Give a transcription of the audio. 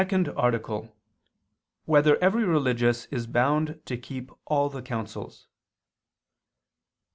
186, Art. 2] Whether Every Religious Is Bound to Keep All the Counsels?